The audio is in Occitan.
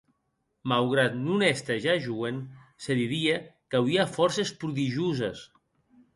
Maugrat non èster ja joen, se didie qu’auie fòrces prodigioses.